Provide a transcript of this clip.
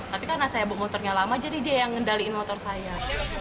tapi karena saya motornya lama jadi dia yang ngendaliin motor saya